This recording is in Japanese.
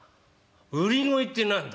「売り声って何だ？」。